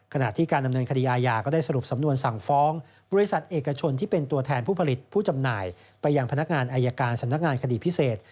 ขณะที่การดำเนินคดีอาญาก็ได้สรุปสำนวนสั่งฟ้องบริษัทเอกชนที่เป็นตัวแทนผู้ผลิตผู้จำหน่ายไปยังพนักงานอายการสำนักงานคดีพิเศษ